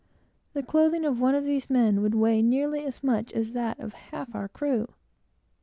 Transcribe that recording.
The clothing of one of these men would weigh nearly as much as that of half our crew.